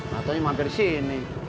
katanya mampir di sini